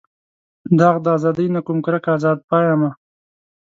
داغ د ازادۍ نه کوم کرکه ازاد پایمه.